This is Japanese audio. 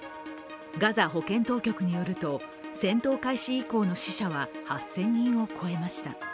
ガザ保健当局によると戦闘開始以降の死者は８０００人を超えました。